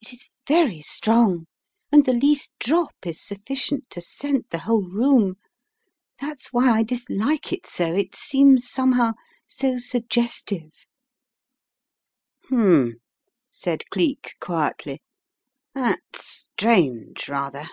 It is very strong, and the least drop is sufficient to scent the whole room. That's why I dislike it so, it seems somehow so suggestive V 9 "Hmn," said Cleek, quietly, "that's strange, rather."